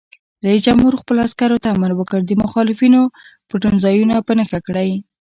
رئیس جمهور خپلو عسکرو ته امر وکړ؛ د مخالفینو پټنځایونه په نښه کړئ!